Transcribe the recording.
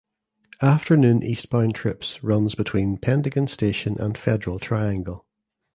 Afternoon eastbound trips runs between Pentagon station and Federal Triangle.